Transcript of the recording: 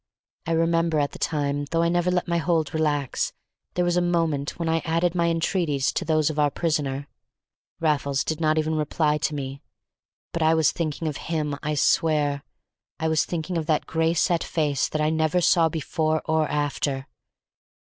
I remember at the time, though I never let my hold relax, there was a moment when I added my entreaties to those of our prisoner. Raffles did not even reply to me. But I was thinking of him, I swear. I was thinking of that gray set face that I never saw before or after.